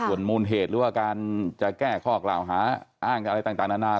ส่วนมูลเหตุหรือว่าการจะแก้ข้อกล่าวหาอ้างอะไรต่างนานา